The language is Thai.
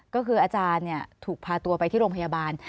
ก็คืออาจารย์ถูกพาตัวไปที่โรงพยาบาล